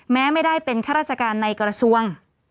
แม้ไม่ได้เป็นข้าราชการในกระทรวง